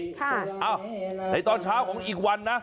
เอ้าในตอนเช้าของอีกวันนะ